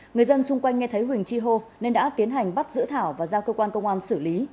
người dân xung quanh nghe thấy huỳnh chi hô nên đã tiến hành bắt giữa thảo và giao cơ quan công an xử lý